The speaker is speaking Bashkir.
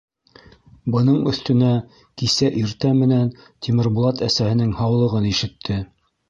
Бының өҫтөнә кисә иртә менән Тимербулат әсәһенең һаулығын ишетте.